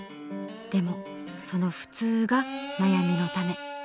でもそのフツーが悩みの種。